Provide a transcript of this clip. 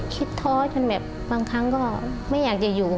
ท้อจนแบบบางครั้งก็ไม่อยากจะอยู่